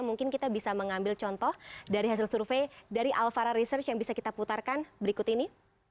mungkin kita bisa mengambil contoh dari hasil survei dari alvara research yang bisa kita putarkan berikut ini